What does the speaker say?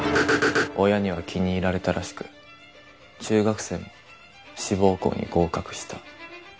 親には気に入られたらしく中学生も志望校に合格した